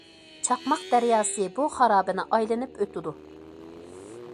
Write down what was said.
چاقماق دەرياسى بۇ خارابىنى ئايلىنىپ ئۆتىدۇ.